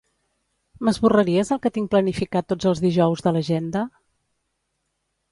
M'esborraries el que tinc planificat tots els dijous de l'agenda?